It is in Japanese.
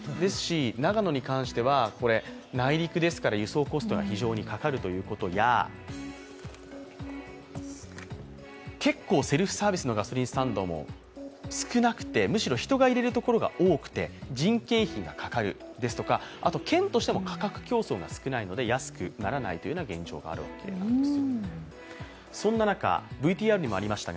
長野に関しては、内陸ですから輸送コストが非常にかかるということや結構、セルフサービスのガソリンサービスも少なくてむしろ人が入れるところが多くて人件費がかかるですとか県としても価格競争が少ないので安くならないというのが現状にあるそうです。